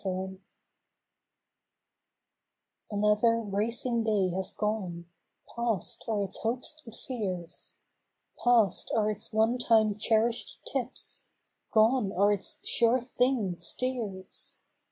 \ 4 I OTHER racing day has gone; past are its hopes and fears, Past are its one time cherished tips; gone are its "sure thing" steers.